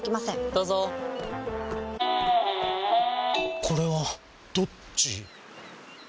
どうぞこれはどっち？